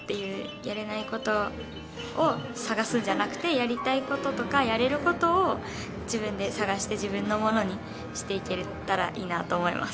やれないことを探すんじゃなくてやりたいこととかやれることを自分で探して自分のものにしていけたらいいなと思います。